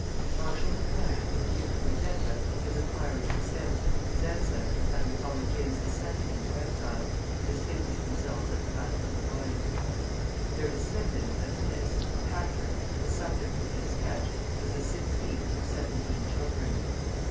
Marshal MacMahon, the Duke of Magenta, was of Irish descent, his ancestors having followed James II. into exile, and distinguished themselves at the Battle of the Boyne. Their descendant, Patrice (or Patrick), the subject of this sketch, was the sixteenth of seventeen children.